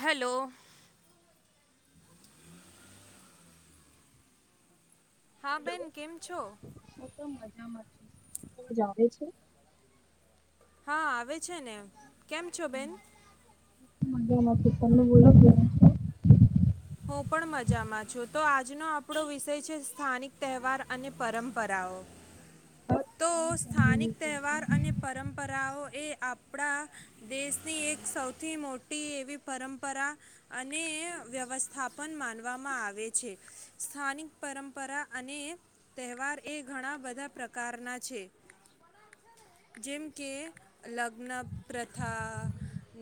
Hello. હા બેન કેમ છો? જ આવે છે? હા આવે છે ને એમ. કેમ છો બેન? મજામાં છે. તમે બોલો. હું પણ મજામાં છું. તો આજનો આપણો વિષય છે સ્થાનિક તહેવાર અને પરંપરાઓ. તો સ્થાનિક તહેવાર અને પરંપરાઓ એ આપ આપણા દેશની એક સૌથી મોટી એવી પરંપરા અને વ્યવસ્થા થાપણ માનવામાં આવે છે. સ્થાનિક પરંપરા અને તહેવાર એ ઘણા બધા પ્રકારના છે. જેમ કે લગ્ન પ્રથા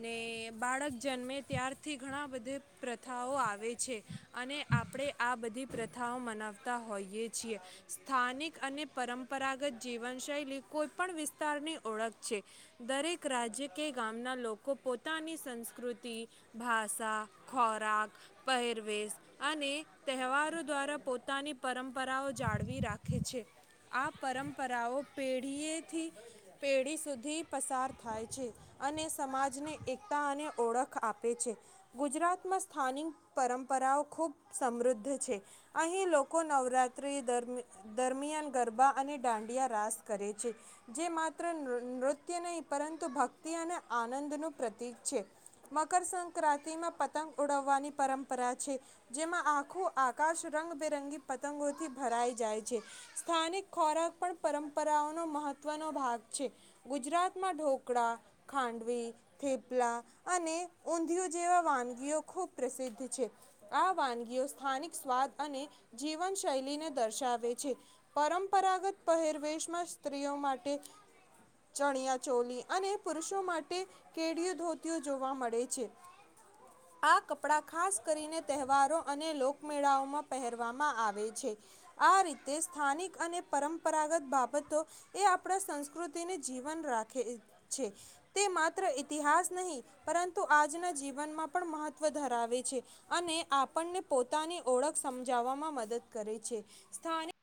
ને બાળક જન્મે ત્યારથી ઘણા બધી પ્રથાઓ આવે છે. અને આપણે આ બધી પ્રથાઓ મનાવતા હોઈએ છીએ. સ્થાનિક અને પરંપરાગત જીવન શૈલી કોઈ પણ વિસ્તારની ઓળખ છે દરેક રાજ્ય કે ગામના લોકો પોતાની સંસ્કૃતિ, ભાષા, ખોરાક પહેરવેશ અને તહેવારો દ્વારા પોતાની પરંપરાઓ જાળવી રાખે છે. આ પરંપરાઓ પેઢીએથી પેઢી સુધી પસાર થાય છે અને સમાજને એકતા અને ઓળખ આપે છે ગુજરાતમાં સ્થાનિક પરંપરાઓ ખૂબ સમૃદ્ધ છે અહીં લોકો નવરાત્રિ દરમિયાન ગરબા અને દાંડિયા રાસ કરે છે જે માત્ર નૃત્ય નહીં પરંતુ ભક્તિ અને આનંદનું પ્રતિક છે મકરસક્રાંતિમાં પતંગ ઉડવવાની પરં જેમાં આખું આકાશ રંગબેરંગી પતંગોથી ભરાઈ જાય છે સ્થાનિક ખોરાક પણ પરંપરાઓનો મહત્વનો ભાગ છે ગુજરાતમાં ઢોકળા, ખાંડવી, થેપલા અને ઊંધિયું જેવા વાનગીઓ ખૂબ પ્રસિદ્ધ છે. છે. આ વાનગીઓ સ્થાનિક સ્વાદ અને જીવન શૈલીને દર્શાવે છે પરંપરાગત પહેરવેશમાં સ્ત્રીઓ માટે ચણિયા ચોલી અને પુરુષો માટે કેડીયો ધોતીઓ જોવા મળે છે આ કપડા ખાસ કરીને તહેવારો અને લોકમેળાઓમાં પહેરવામાં આવે છે આ રીતે સ્થાનિક અને પરંપરાગત બાબતો એ આપણા સંસ્કૃતિને જીવન રાખે છે તે માત્ર ઇતિહાસ નહીં, પરંતુ આજના જીવનમાં પણ મહત્ત્વ ધરાવે છે. છે. અને આપણને પોતાની ઓળખ સમજાવવામાં મદદ કરે છે સ્થાનિક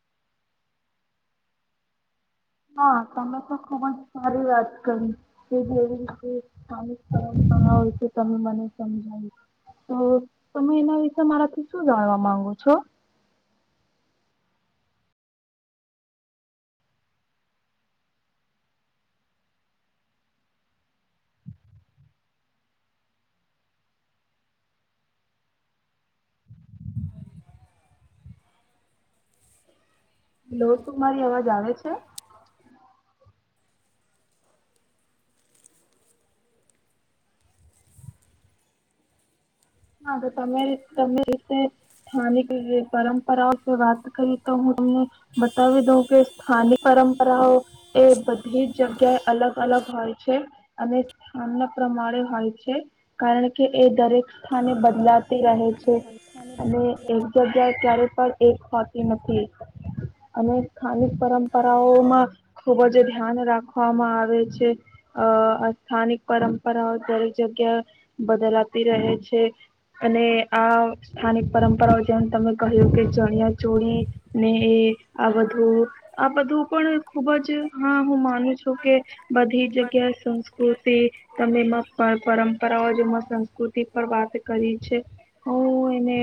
હા, તમે તો ખૂબ જ સારી વાત કરી કે જેવી રીતે પૌરાણિક પરંપરા હોય છે તમે મને સમજાવી તો તમે એના વિશે મારાથી શું જાણવા માંગો છો? લોહકુમારી અવાજ આવે છે? હા, તો તમે તમે રીતે સ્થાનિક પરંપરાઓ વાત કરી તો હું તમને બતાવી દઉં કે સ્થાનિક પરંપરાઓ એ બધી જ જગ્યાએ અલગ-અલગ હોય છે. અને અન્નપ્રમાણે હોય છે કારણ કે, એ દરેક થાને બદલાતી રહે છે અને એક જગ્યાએ ક્યારે પણ એક હોતી નથી અને સ્થાનિક પરંપરાઓમાં ખૂબ જ ધ્યાન રાખવામાં આવે છે અ સ્થાનિક પરંપરાઓ દરેક જગ્યા બદલાતી રહે છે. અને આ સ્થાનિક પરંપરાઓ જેમ તમે કહ્યું કે ચણિયા ચોળી ને એ આ બધું આ બધું પણ ખૂબ જ હા હું માનું છું કે બધી જગ્યા સંસ્કૃતિ તમે મ પરંપરાઓ જેવા સંસ્કૃતિ પર વાત કરી છે. હું એને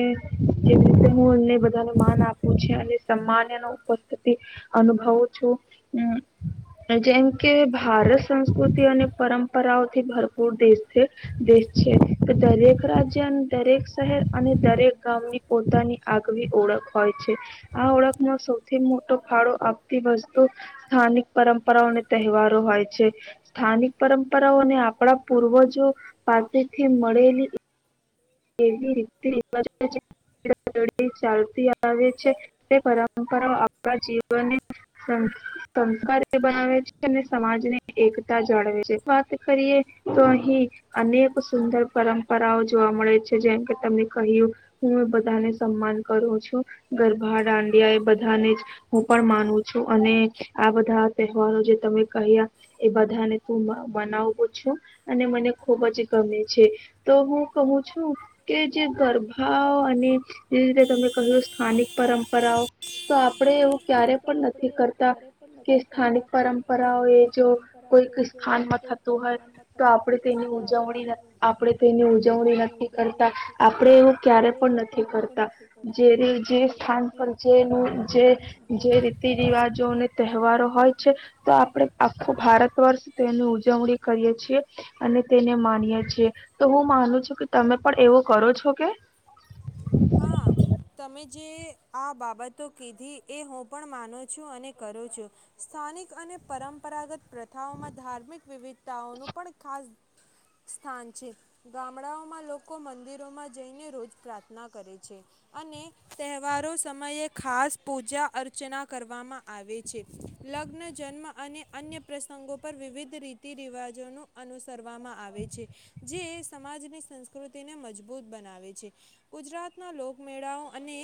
જે રીતે હું એમણે બધાને માન આપ્યું છે, અને સન્માન ઉપસ્થિતિ અનુભવું છું. જેમ કે, ભારત સંસ્કૃતિ અને પરંપરાઓથી ભરપૂર દેશ છે. દેશ છે. દરેક રાજ્ય અને દરેક શહેર અને દરેક ગામની પોતાની આગવી ઓળખ હોય છે. આ ઓળખનો સૌથી મોટો ફાળો આપતી વસ્તુ, સ્થાનિક પરંપરાઓ અને તહેવારો હોય છે સ્થાનિક પરંપરાઓને આપણા પૂર્વજો પાસેથી મળેલી [unintelligible] ચાલતી આવે છે તે પરંપરાઓ આપણા જીવનને સંસ્ સંસ્કારી બનાવે છે, અને સમાજને એકતા જાળવે છે. વાત કરીએ તો અહીં અનેક સુંદર પરંપરાઓ જોવા મળે છે. છે, જેમ કે તમે કહ્યું, હું બધાને સન્માન કરું છું ગરબા દાંડિયા એ બધાને જ હું પણ માનું છું. અને આ બધા તહેવારો જે તમે કહ્યા એ બધાને તું મનાવું છું અને મને ખૂબ જ ગમે છે. તો હું કહું છું, કે જે ગર્ભા અને જેવી રીતે તમે કહ્યું સ્થાનિક પરંપરાઓ, તો આપણેે એવું કરતા. આપણે એવું ક્યારે પણ નથી કરતા. જે જે સ્થાન પર જેનું જે જે રીત રીતિ રિવાજો અને તહેવારો હોય છે, તો આપણે આખો ભારત વર્ષ તેની ઉજવણી કરીએ છીએ, અને તેને માનીએ છીએ. તો હું માનું છું કે તમે પણ એવું કરો છો કે? હા, તમે જે આ બાબતો કીધી, એ હું પણ માનુ છું, અને કરું છું. સ્થાનિક અને પરંપરાગત પ્રથાઓમાં ધાર્મિક વિવિધતાઓનું પણ ખાસ સ્થાન છે. ગામડાઓમાં લોકો મંદિરોમાં જઈને રોજ પ્રાર્થના ના કરે છે. અને તહેવારો સમયે ખાસ પૂજા અર્ચના કરવામાં આવે છે. લગ્ન, જન્મ અને અન્ય પ્રસંગો પર વિવિધ રીતિ રિવાજોનું અનુસરવામાં આવે છે, જે સમાજની સંસ્કૃતિને મજબૂત બનાવે છે. ગુજરાતના લોકમેળાઓ અને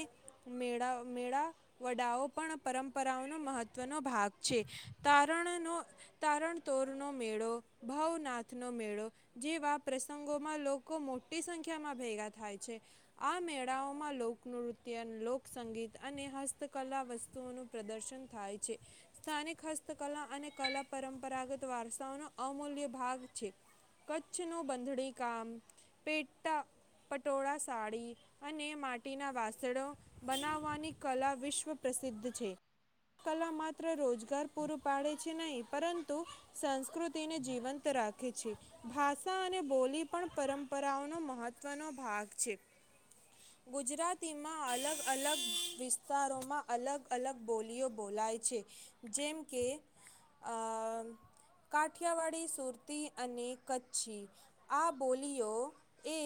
મેળા મેળાવડાઓ પણ પરંપરાઓનો મહત્ત્વનો ભાગ છે. તારણનો તારણતોરનો મેળો, ભાવનાથનો મેળો, જેવા પ્રસંગોમાં લોકો મોટી સંખ્યામાં ભેગા થાય છે. આ મેળાઓમાં લોકનૃત્ય લોકસંગીત અને હસ્તકલા વસ્તુઓનું પ્રદર્શન થાય છે. સ્થાનિક હસ્તકલા અને કલા પરંપરાગત વારસાઓનો અમૂલ્ય ભાગ છે. કચ્છનું બંધણી કામ, પેટા પટોળા સાડી અને માટીના વાસણો બનાવવાની કલા વિશ્વ પ્રસિદ્ધ છે. આ કલા માત્ર રોજગાર પૂરું પાડે છે નહીં, પરંતુ સંસ્કૃતિને જીવંત રાખે છે. ભાષા અને બોલી પણ પરંપરાઓનો મહત્વનો ભાગ છે. ગુજરાતીમાં અલગ અલગ વિસ્તારોમાં અલગ અલગ બોલીઓ બોલાય છે. જેમ કે આ કાઠિયાવાડી, સુરતી અને કચ્છી. આ બોલીઓ એ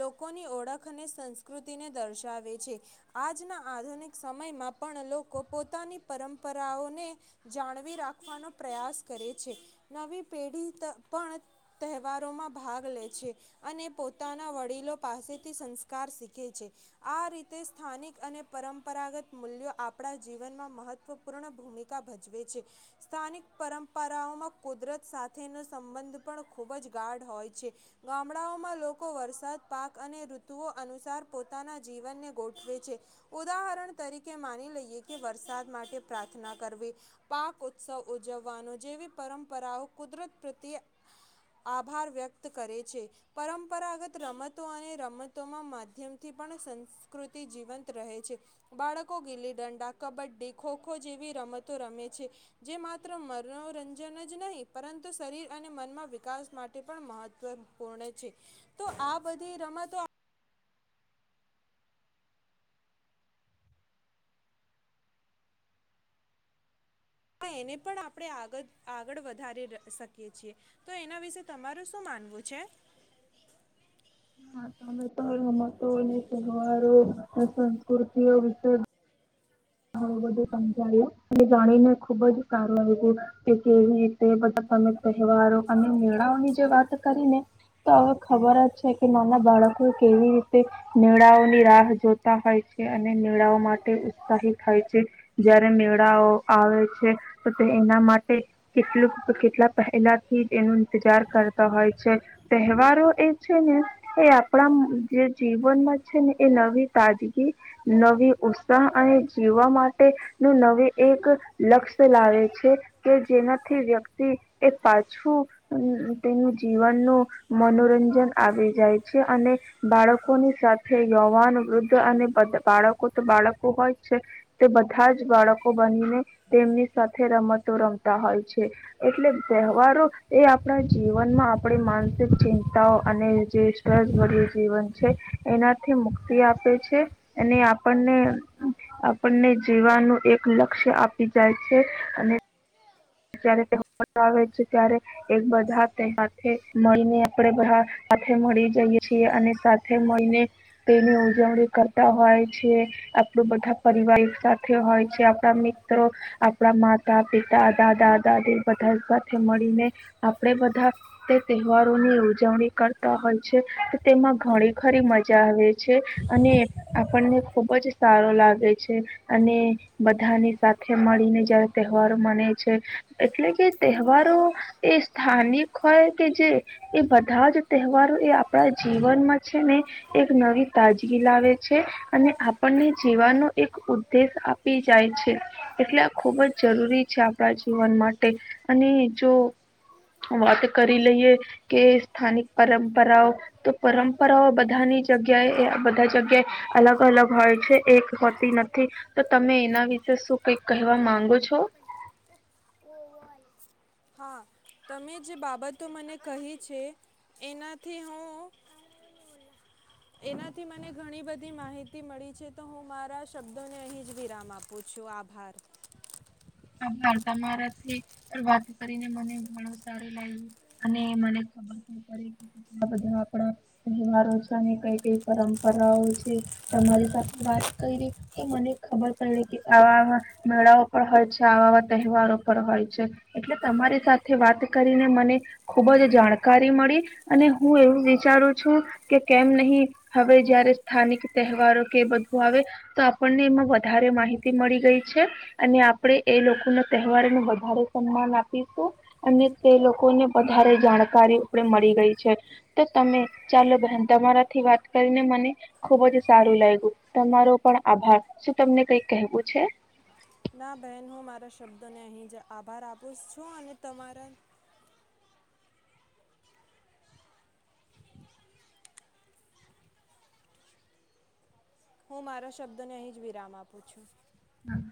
લોકોની ઓળખ અને સંસ્કૃતિને દર્શાવે છે. આજના આધુનિક સમયમાં પણ લોકો પોતાની પરંપરાઓને જાળવી રાખવાનો પ્રયાસ કરે છે. નવી પેઢી ત પણ તહેવારોમાં ભાગ લે છે, અને પોતાના વડીલો પાસે થી સંસ્કાર શીખે છે. આ રીતે સ્થાનિક અને પરંપરાગત મૂલ્યો આપણા જીવનમાં મહત્વપૂર્ણ ભૂમિકા ભજવે છે. સ્થાનિક પરંપરાઓમાં કુદરત સાથેનો સંબંધ પણ ખૂબ જ ગાઢ હોય છે. ગામડાઓમાં લોકો વરસાદ પાક અને ૠ તુઓ અનુસાર પોતાના જીવનને ગોઠવે છે. ઉદાહરણ તરીકે માની લઈએ, કે વરસાદ માટે પ્રાર્થના કરવી, પાક ઉત્સવ ઉજવવાનો, જેવી પરંપરાઓ કુદરત પ્રત્યે આભાર વ્યક્ત કરે છે. પરંપરાગત રમતો અને રમત માધ્યમથી પણ સંસ્કૃતિ જીવંત રહે છે બાળકો ગીલી ડંડા, કબડ્ડી, ખોખો જેવી રમતો રમે છે જે માત્ર મનોરંજન જ નહીં પરંતુ શરીર અને મનમાં વિકાસ માટે પણ મહત્વપૂર્ણ છે તો આ બધી રમતો હા એને પણ આપણે આગળ વધારી શકીએ છીએ તો એના વિશે તમારું શું માનવું છે? હા, તમે તો રમતો અને તહેવારો સંસ્કૃતિઓ વિશે ઘણું બધું સમજાયું અને જાણીને ખુબ જ સારું આવ્યું કે કેવી રીતે બધા તમે તહેવારો અને મેળાઓની જે વાત કરી ને તો હવે ખબર જ છે કે નાના બાળકો કેવી રીતે મેળાઓની રાહ જોતા હોય છે અને મેળાઓ માટે ઉત્સાહિત થાય છે જયારે મેળાઓ આવે છે તો તે એના માટે કેટલુંક કેટલા પહેલા થી જ એનો ઈંતજાર કરતા હોય છે તહેવારો એ છે ને એ આપણા જે જીવનમાં છે ને એ નવી તાજગી નવી ઉત્સાહ અને જીવવા માટેનું નવી એક લક્ષ્ય લાવે છે કે જેનાથી વ્યક્તિ એ પાછું તેનું જીવનનું મનોરંજન આવી જાય છે અને બાળકોની સાથે યવાન વૃદ્ધ અને બાળકો તો બાળકો હોય. છે. તે બધા જ બાળકો બનીને તેમની સાથે રમતો રમતા હોય છે એટલે તહેવારો એ આપણા જીવનમાં આપણી માનસિક ચિંતાઓ અને જે સરજભર્યું જીવન છે એનાથી મુક્તિ આપે છે અને આપણને આપણને જીવાનું એક લક્ષ્ય આપી જાય છે અને જ આવે છે ત્યારે એક બધા મળીને આપણે બધા સાથે મળી જઈ છીએ અને સાથે મળીને તેની ઉજવણી કરતા હોય છે આપણું બધા પરિવાર સાથે હોય છે આપણા મિત્રો આપણા માતા પિતા દાદા દાદી બધા સાથે મળીને આપણે બધા તે તહેવારોની ઉજવણી કરતા હોય છે તેમાં ઘણી ખરી મજા આવે છે અને આપણને ખૂબ જ સારો લાગે છે અને બધાની સાથે મળીને જય્યારે તહેવારો મને એટલે કે તહેવારો એ સ્થાનિક હોય કે જે એ બધા જ તહેવારો એ આપણા જીવનમાં છે ને એક નવી તાજગી લાવે છે અને આપણને જીવાનો એક ઉદ્દેશ આપી જાય છે એટલે આ ખુબ જ જરૂરી છે. આપણા જીવન માટે અને જો વાત કરી લઈએ કે સ્થાનિક પરંપરાઓ તો પરંપરાઓ બધાની જગ્યાએ બધા જગ્યાએ અલગ અલગ હોય છે એક હોતી નથી તો તમે એના વિશે શું કઈક કહેવા માંગો છો. છો. હા તમે જે બાબતો મને કહી છે એનાથી હું એનાથી મને ઘણી બધી માહિતી મળી છે તો હું મારા શબ્દોને અહી જ વિરામ આપું છું આભાર. આભાર તમારાથી વાત કરીને મને ઘણું સારું લાગ્યું અને મને ખબર પડે કે કેટલા બધા આપણા તહેવારો છે અને કઈ કઈ પરંપરાઓ છે તમારી સાથે વાત કરી એ મને ખબર પડે કે આવા મેળાઓ પણ હ વા તહેવારો પર હોય છે એટલે તમારી સાથે વાત કરીને મને ખુબ જ જાણકારી મળી અને હું એવું વિચારું છું કે કેમ નહી હવે જયારે સ્થાનિક તહેવારો કે બધું આવે તો આપણને એમાં વધારે માહિતી મળી ગઈ છે. અને આપણે એ લોકો ના તહેવાર ન વધારે સન્માન આપીશું અને તે લોકોને વધારે જાણકારી આપે મળી ગઈ છે તો તમે ચાલો બહેન તમારાથી વાત કરીને મને ખુબ જ સારું લાગ્યું તમારો પણ આભાર શું તમને કઈ કહેવું છે. ના બહેન હું મારા શબ્દોને અહીં જ આભાર આપું છું અને તમારા હું મારા શબ્દ ને અહીં જ વિરામ આપું છું. હા.